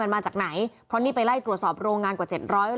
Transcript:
มันมาจากไหนเพราะที่ไปไล่กรวดสอบโรงงานกว่าเจ็ดร้อยโรงงาน